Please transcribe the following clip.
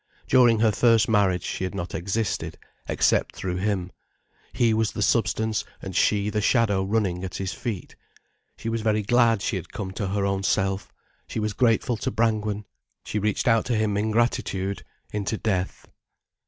During her first marriage, she had not existed, except through him, he was the substance and she the shadow running at his feet. She was very glad she had come to her own self. She was grateful to Brangwen. She reached out to him in gratitude, into death.